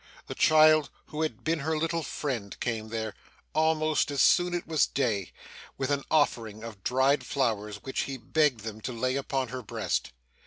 The child who had been her little friend came there, almost as soon as it was day, with an offering of dried flowers which he begged them to lay upon her breast.